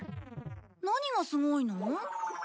何がすごいの？